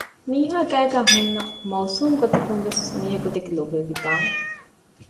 މީހާ ގައިގައި ހުންނަ މައުސޫމުގޮތަކުންވެސް މީހަކު ދެކެ ލޯބިވެވިދާނެ